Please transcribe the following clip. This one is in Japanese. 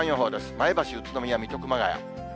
前橋、宇都宮、水戸、熊谷。